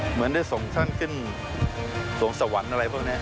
เหมือนได้ส่งท่านขึ้นสวงสวรรค์อะไรพวกนี้